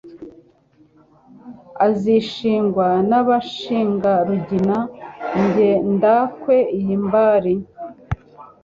Uzishingwa n'abashinga Rugina Jye ndakwe iyi mbari.